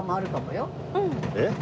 えっ？